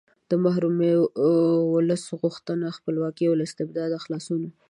د محرومو ولسونو غوښتنه خپلواکي او له استبداده خلاصون و.